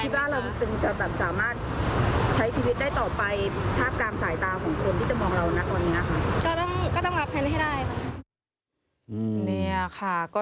เพียงเดี๋ยวนี้ละคะ